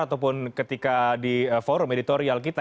ataupun ketika di forum editorial kita